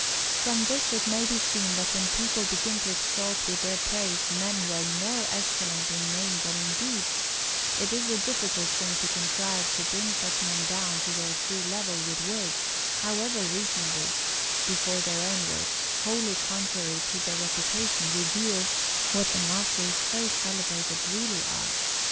From this it may be seen that when people begin to exalt with their praise men who are more excellent in name than in deeds, it is a difficult thing to contrive to bring such men down to their true level with words, however reasonable, before their own works, wholly contrary to their reputation, reveal what the masters so celebrated really are.